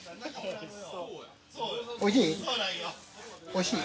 おいしい？